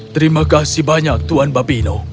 terima kasih banyak tuhan babino